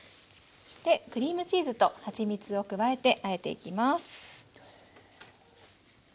そしてクリームチーズとはちみつを加えてあえていきます。